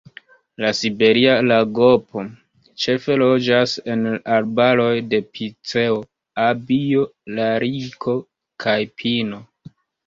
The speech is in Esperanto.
La Siberia lagopo ĉefe loĝas en arbaroj de piceo, abio, lariko kaj pino.